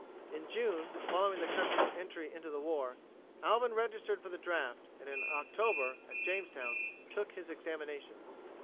In June following the country's entry into the war Alvin registered for the draft and in October at Jamestown took his examination.